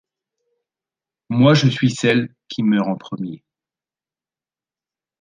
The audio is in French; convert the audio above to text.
Moi, je suis celle qui meurt en premier.